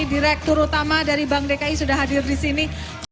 direktur utama dari bank dki juga sudah di sini